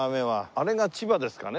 あれが千葉ですかね。